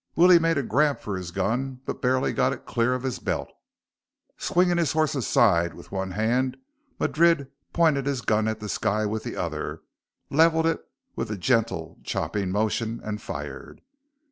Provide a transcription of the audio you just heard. Willie made a grab for his gun but barely got it clear of his belt. Swinging his horse aside with one hand, Madrid pointed his gun at the sky with the other, leveled it with a gentle chopping motion and fired.